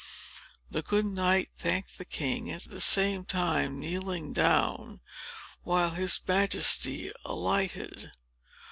The good knight thanked the king, at the same time kneeling down, while his Majesty alighted.